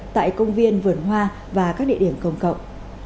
tại công viên vườn hoa và các địa điểm công cộng